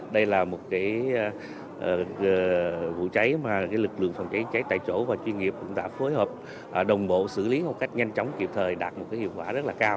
đây là một vụ cháy mà lực lượng phòng cháy chữa cháy tại chỗ và chuyên nghiệp cũng đã phối hợp đồng bộ xử lý một cách nhanh chóng kịp thời đạt một hiệu quả rất là cao